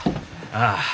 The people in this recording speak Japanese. ああ。